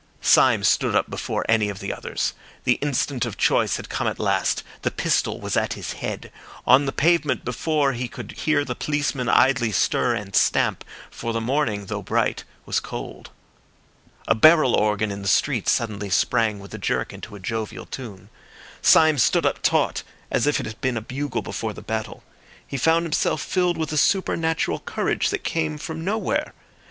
Syme stood up before any of the others. The instant of choice had come at last, the pistol was at his head. On the pavement before he could hear the policeman idly stir and stamp, for the morning, though bright, was cold. A barrel organ in the street suddenly sprang with a jerk into a jovial tune. Syme stood up taut, as if it had been a bugle before the battle. He found himself filled with a supernatural courage that came from nowhere.